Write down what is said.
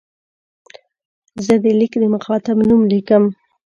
زه د لیک د مخاطب نوم لیکم.